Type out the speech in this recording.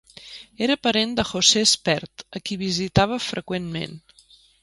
Era parent de José Espert, a qui visitava freqüentment.